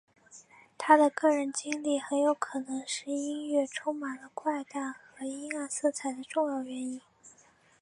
他的个人经历很有可能是他音乐充满了怪诞和阴暗色彩的重要原因。